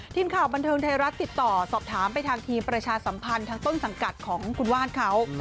ทีมข่าวบันเทิงไทยรัฐติดต่อสอบถามไปทางทีมประชาสัมพันธ์ทางต้นสังกัดของคุณว่านเขา